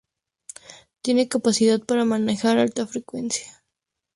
Tiene capacidad para manejar alta potencia.